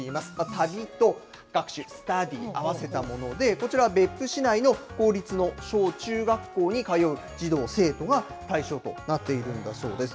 旅と学習・スタディーを合わせたもので、こちら、別府市内の公立の小中学校に通う児童・生徒が対象となっているんだそうです。